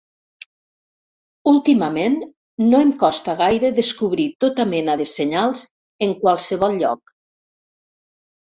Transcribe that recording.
Últimament, no em costa gaire descobrir tota mena de senyals en qualsevol lloc.